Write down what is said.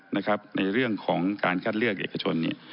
ในเรื่องของการคัดเลือกเอกชนเนี่ย